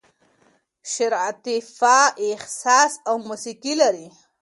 شعر عاطفه، احساس او موسیقي لري.